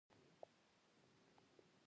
زموږ په ملک کې استخباراتي ادارې پیاوړې دي.